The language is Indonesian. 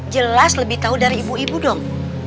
jelas lebih tahu dari ibu ibu dong